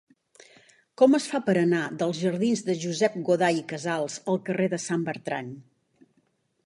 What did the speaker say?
Com es fa per anar dels jardins de Josep Goday i Casals al carrer de Sant Bertran?